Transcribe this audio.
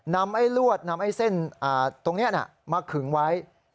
ไอ้ลวดนำไอ้เส้นตรงนี้มาขึงไว้